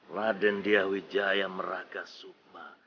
ladendia wijaya meraga sukma